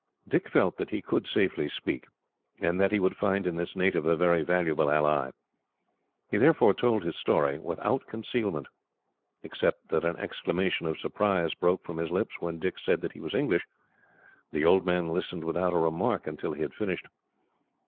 Dick felt that he could safely speak, and that he would find in this native a very valuable ally. He therefore told his story without concealment. Except that an exclamation of surprise broke from his lips, when Dick said that he was English, the old man listened without a remark until he had finished.